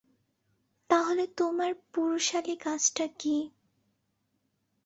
তাহলে তোমার, পুরুষালী কাজ টা কি?